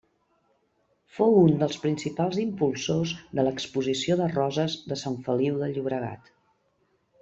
Fou un dels principals impulsors de l'Exposició de Roses de Sant Feliu de Llobregat.